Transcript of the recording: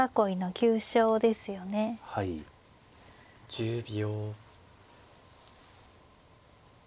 １０秒。